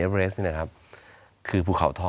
สวัสดีครับทุกคน